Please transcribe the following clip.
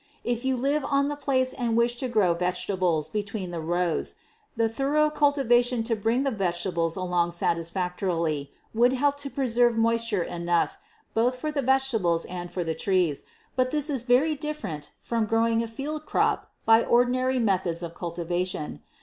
If you live on the place and wish to grow vegetables between the rows, the thorough cultivation to bring the vegetables along satisfactorily would help to preserve moisture enough both for the vegetables and for the trees, but this is very different from growing a field crop by ordinary methods of cultivation.